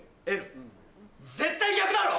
絶対逆だろ！